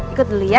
ikut dulu ya